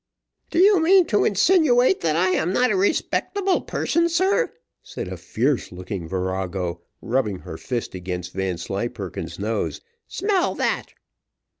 "Do you mean to insinuate that I am not a respectable person, sir?" said a fierce looking virago, rubbing her fist against Vanslyperken's nose. "Smell that!"